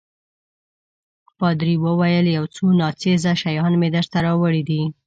پادري وویل: یو څو ناڅېزه شیان مې درته راوړي دي.